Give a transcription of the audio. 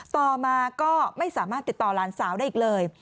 ต่อมาก็ไม่สามารถติดต่อหลานสาวได้อีกเลย